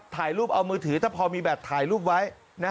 ถ่ายรูปเอามือถือถ้าพอมีแบบถ่ายรูปไว้